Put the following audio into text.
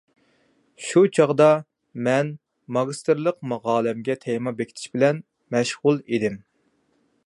شۇ چاغدا مەن ماگىستىرلىق ماقالەمگە تېما بېكىتىش بىلەن مەشغۇل ئىدىم.